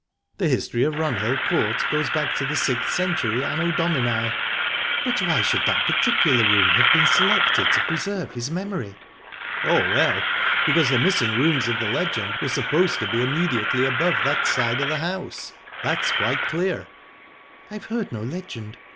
The history of Runhill Court goes back to the sixth century Anno Domini." "But why should that particular room have been selected to preserve his memory?" "Oh, well, because the missing rooms of the legend were supposed to be immediately above that side of the house. That's quite clear." "I have heard no legend.